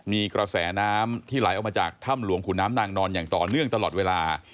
มีกระแสน้ำที่ไหลออกมาจากถ้ำหลวงขุนน้ำนางนอนอย่างต่อเนื่องตลอดเวลา